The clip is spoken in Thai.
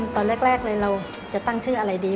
ตอนแรกเลยเราจะตั้งชื่ออะไรดี